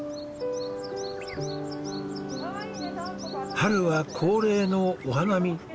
春は恒例のお花見。